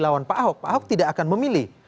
lawan pak ahok pak ahok tidak akan memilih